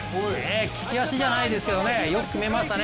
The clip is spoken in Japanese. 利き足じゃないですけれども、よく決めましたね。